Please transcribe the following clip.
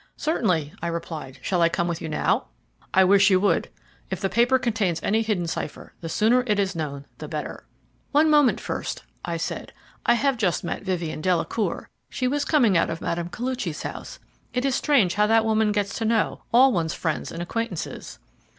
"Certainly," I replied; "shall I come with you now?" "I wish you would. If the paper contains any hidden cipher, the sooner it is known the better." "One moment first," I said. "I have just met Vivien Delacour. She was coming out of Mme. Koluchy's house. It is strange how that woman gets to know all one's friends and acquaintances."